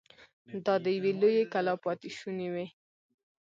دا د يوې لويې کلا پاتې شونې وې.